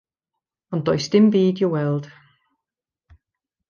Ond does dim byd i'w weld.